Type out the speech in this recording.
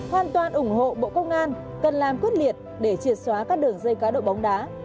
hoàn toàn ủng hộ bộ công an cần làm quyết liệt để triệt xóa các đường dây cá độ bóng đá